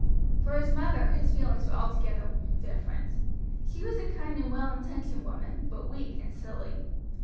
For his mother his feelings were altogether different. She was a kindly and well intentioned woman, but weak and silly.